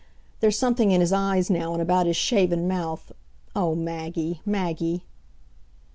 There's something in his eyes now and about his shaven mouth oh, Maggie, Maggie!